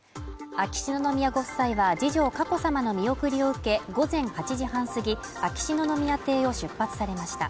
秋篠宮ご夫妻は次女・佳子さまの見送りを受け午前８時半過ぎ秋篠宮邸を出発されました